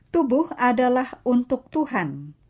tubuh adalah untuk tuhan